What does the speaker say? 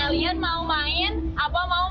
kalian mau main apa mau